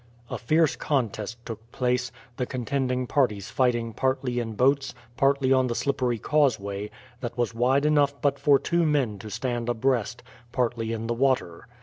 A fierce contest took place, the contending parties fighting partly in boats, partly on the slippery causeway, that was wide enough but for two men to stand abreast, partly in the water.